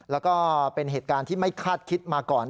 แล้วก็เป็นเหตุการณ์ที่ไม่คาดคิดมาก่อน